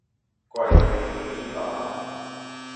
跪地餼豬乸